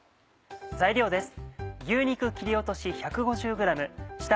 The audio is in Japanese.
材料です。